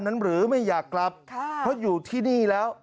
หรือไม่อยากกลับค่ะเพราะอยู่ที่นี่แล้ว